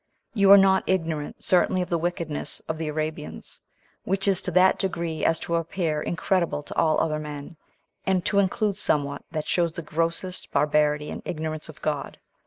You are not ignorant certainly of the wickedness of the Arabians, which is to that degree as to appear incredible to all other men, and to include somewhat that shows the grossest barbarity and ignorance of God.